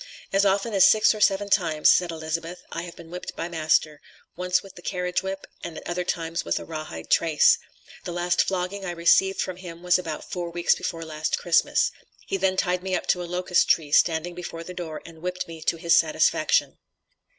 "As often as six or seven times," said Elizabeth, "I have been whipped by master, once with the carriage whip, and at other times with a raw hide trace. The last flogging I received from him, was about four weeks before last Christmas; he then tied me up to a locust tree standing before the door, and whipped me to his satisfaction."